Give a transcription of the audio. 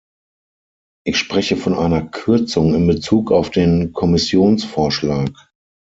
Ich spreche von einer Kürzung in Bezug auf den Kommissionsvorschlag.